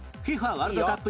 ワールドカップ